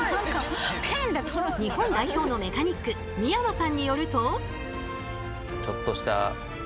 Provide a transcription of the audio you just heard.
日本代表のメカニック三山さんによると。